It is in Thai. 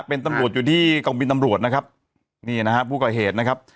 เป็นตำรวจอยู่ที่กองบินตำรวจนะครับนี่นะฮะผู้ก่อเหตุนะครับ